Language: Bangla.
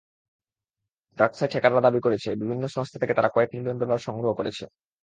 ডার্কসাইট হ্যাকাররা দাবি করেছে, বিভিন্ন সংস্থা থেকে তারা কয়েক মিলিয়ন ডলার সংগ্রহ করেছে।